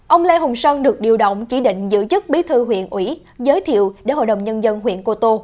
ông lê hùng sơn được điều động chỉ định giữ chức bí thư huyện ủy giới thiệu để hội đồng nhân dân huyện cô tô